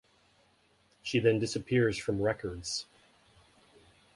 She then disappears from records.